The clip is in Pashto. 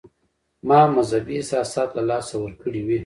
ما مذهبي احساسات له لاسه ورکړي وي.